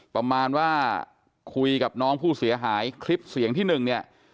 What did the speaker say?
ประมาณว่าคุยกับน้องผู้เสียหายคลิปเสียงที่หนึ่งเนี่ย